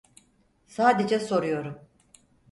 Sadece soruyorum.